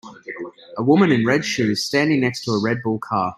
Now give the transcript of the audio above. A woman in red shoes standing next to a Red Bull car.